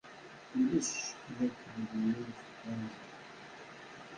Ulac ccekk dakken ad d-iwet unẓar.